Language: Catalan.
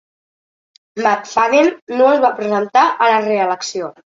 McFadden no es va presentar a la reelecció.